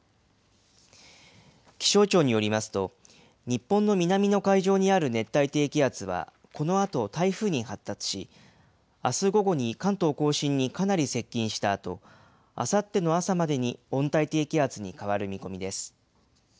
気象庁によりますと、日本の南の海上にある熱帯低気圧はこのあと台風に発達し、あす午後に関東甲信にかなり接近したあと、あさっての朝までに温帯低気圧に変わる見込みです。